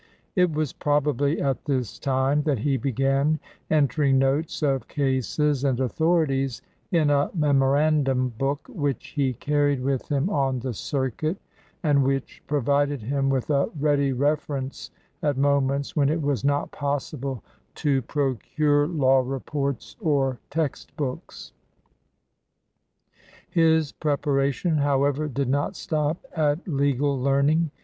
It was probably at this time that he began entering notes of cases and authorities in a memorandum book which he carried with him on the circuit, and which pro vided him with a ready reference at moments when it was not possible to procure law reports or text books. 1 His preparation, however, did not stop at legal learning.